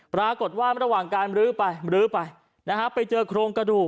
ปรากฎว่ามิหลวงการลื้อไปไปเจอโครงกระดูก